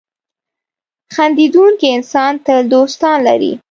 • خندېدونکی انسان تل دوستان لري.